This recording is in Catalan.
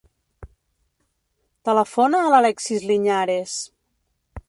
Telefona a l'Alexis Liñares.